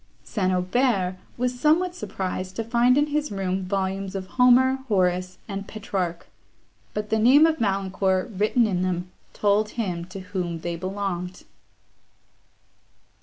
St. Aubert was somewhat surprised to find in his room volumes of Homer, Horace, and Petrarch; but the name of Valancourt, written in them, told him to whom they belonged.